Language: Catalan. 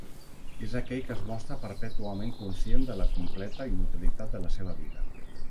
És aquell que es mostra perpètuament conscient de la completa inutilitat de la seva vida.